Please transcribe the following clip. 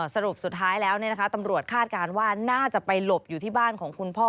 สรุปสุดท้ายแล้วตำรวจคาดการณ์ว่าน่าจะไปหลบอยู่ที่บ้านของคุณพ่อ